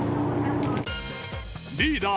リーダー